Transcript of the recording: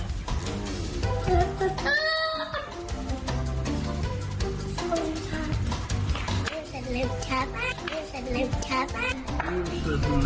ขอบคุณค่ะ